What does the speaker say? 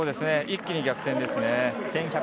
一気に逆転ですね。